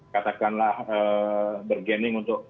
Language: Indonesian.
katakanlah bergening untuk